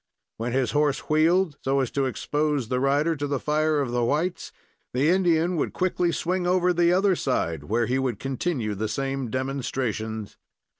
When his horse wheeled, so as to expose the rider to the fire of the whites, the Indian would quickly swing over the other side, where he would continue the same demonstrations.